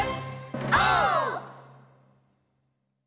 オー！